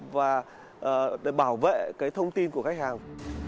và bảo vệ thông tin của khách hàng